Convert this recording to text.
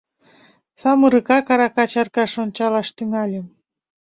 — Самырыкак арака чаркаш ончалаш тӱҥальым.